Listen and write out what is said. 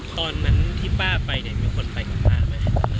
ตอนนั้นที่ป้าไปเนี่ยมีคนไปกับป้าไหม